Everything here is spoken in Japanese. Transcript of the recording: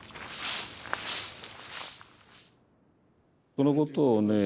そのことをね